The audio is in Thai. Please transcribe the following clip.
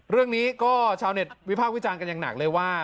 เรื่องนี้ก็ชาวเน็ตวิพากษ์วิจารณ์กันอย่างหนักเลยว่า